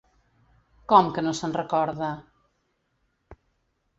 Com que no se'n recorda?